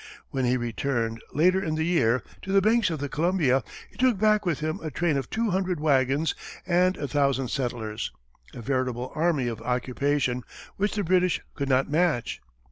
When he returned, later in the year, to the banks of the Columbia, he took back with him a train of two hundred wagons and a thousand settlers a veritable army of occupation which the British could not match.